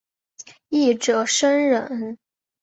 一者生忍。